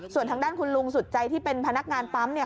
ส่วนทางด้านคุณลุงสุดใจที่เป็นพนักงานปั๊มเนี่ย